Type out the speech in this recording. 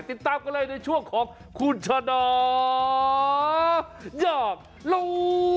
ติดตามกันเลยในช่วงของคุณชะดอกอยากรู้